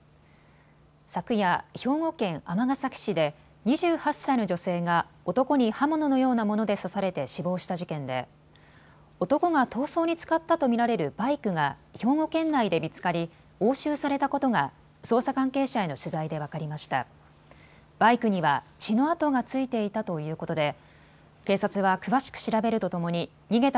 昨夜、兵庫県尼崎市で２８歳の女性が男に刃物のようなもので刺されて死亡した事件で男が逃走に使ったと見られるバイクが兵庫県内で見つかり押収されたことが捜査関係者への取材で分かりました。